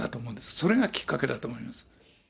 それがきっかけだと思います。